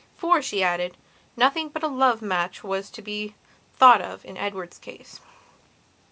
For, she added, nothing but a love match was to be thought of in her Edward's case.